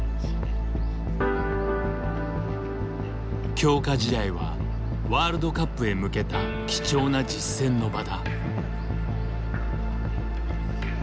強化試合はワールドカップへ向けた貴重な実戦の場だ。